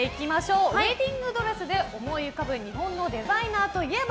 ウェディングドレスで思い浮かぶ日本のデザイナーといえば？